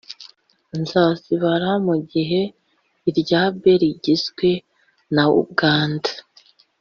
Zanzibar mu gihe irya B rigizwe na Uganda